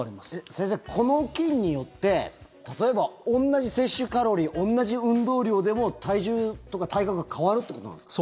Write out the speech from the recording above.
先生、この菌によって例えば、同じ摂取カロリー同じ運動量でも体重とか体格が変わるということなんですか？